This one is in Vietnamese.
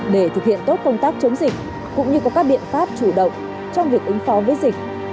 để thực hiện tốt công tác chống dịch cũng như có các biện pháp chủ động trong việc ứng phó với dịch